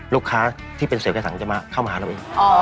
ลูกค้าที่เป็นเสียบค้าสังค์มันจะมาได้